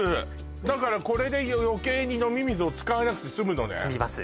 だからこれで余計に飲み水を使わなくてすむのねすみます